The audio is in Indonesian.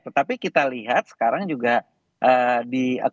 tetapi kita lihat sekarang juga di